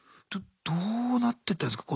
どどうなってったんですか？